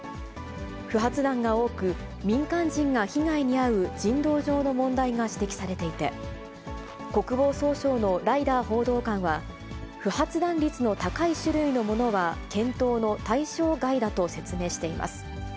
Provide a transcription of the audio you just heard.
不発弾が多く、民間人が被害に遭う人道上の問題が指摘されていて、国防総省のライダー報道官は、不発弾率の高い種類のものは検討の対象外だと説明しています。